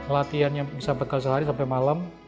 latihan yang bisa berkali sehari sampai malam